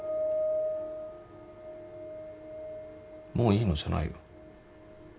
もういいのじゃないよ。